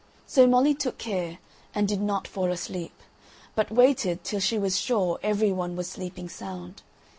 So Molly took care and did not fall asleep, but waited till she was sure every one was sleeping sound.